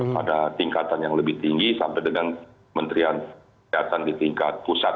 pada tingkatan yang lebih tinggi sampai dengan menterian kesehatan di tingkat pusat